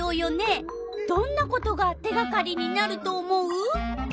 どんなことが手がかりになると思う？